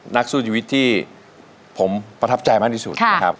นักสู้ชีวิตที่ผมประทับใจมากที่สุดนะครับ